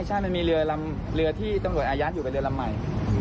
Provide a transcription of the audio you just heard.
ใช่มันมีเรือลำเรือที่ตำรวจอายัดอยู่เป็นเรือลำใหม่